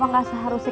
aku mau ke rumah